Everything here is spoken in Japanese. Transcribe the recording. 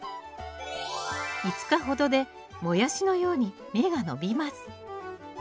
５日ほどでモヤシのように芽が伸びます。